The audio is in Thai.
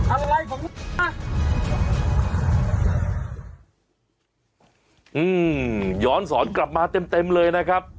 อะไรผมอ่ะอืมย้อนสอนกลับมาเต็มเต็มเลยนะครับ